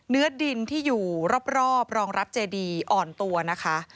เนื้อดินที่อยู่รอบรองรับเจดีอ่อนตัวนะคะ